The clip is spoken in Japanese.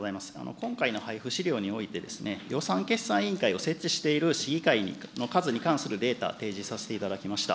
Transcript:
今回の配付資料において、予算決算委員会を設置している市議会の数に関するデータ、提示させていただきました。